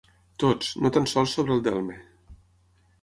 Tots, no tan sols sobre el delme.